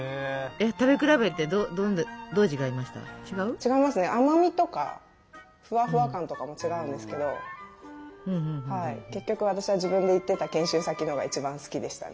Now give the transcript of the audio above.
違いますね甘みとかフワフワ感とかも違うんですけど結局私は自分で行ってた研修先のが一番好きでしたね。